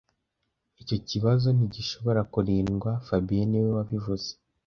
Icyo kibazo ntigishobora kwirindwa fabien niwe wabivuze